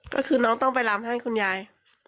ก็คือน้องต้องไปลำให้คุณยาย